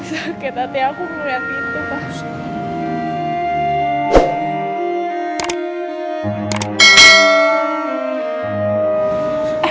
sakit hati aku payah